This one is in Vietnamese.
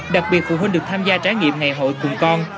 đặc biệt phụ huynh được tham gia trải nghiệm ngày hội cùng con